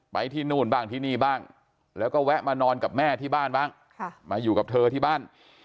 ไปที่นู่นบ้างที่นี่บ้างแล้วก็แวะมานอนกับแม่ที่บ้านบ้างมาอยู่กับเธอที่บ้าน